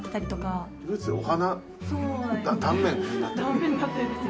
断面になってるんです。